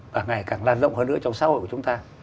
và ngày càng lan rộng hơn nữa trong xã hội của chúng ta